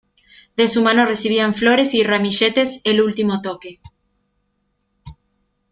De su mano recibían flores y ramilletes el último toque.